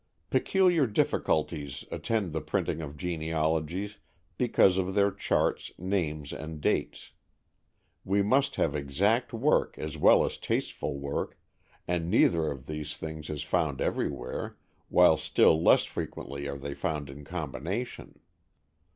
Peculiar difficulties attend the printing of genealogies because of their charts, names and dates. We must have exact work as well as tasteful work, and neither of these things is found everywhere, while still less frequently are they found in combination.